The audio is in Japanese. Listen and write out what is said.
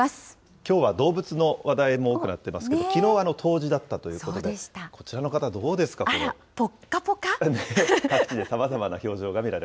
きょうは動物の話題も多くなっていますけれども、きのう、冬至だったということで、こちらの方、どうですか、これ。